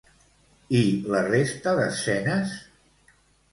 I la resta d'escenes?